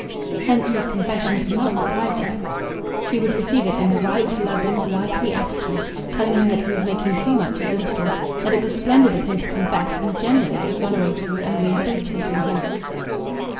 Hence his confession could not surprise her. She would receive it in the right, loving, wifely attitude, telling him that he was making too much of a little, that it was splendid of him to confess, and generally exonerating and rehabilitating him.